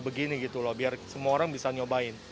begini gitu loh biar semua orang bisa nyobain